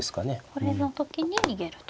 これの時に逃げると。